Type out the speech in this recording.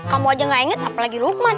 kamu aja gak inget apalagi lukman